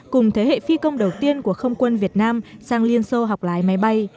cùng thế hệ phi công đầu tiên của không quân việt nam sang liên xô học lái máy bay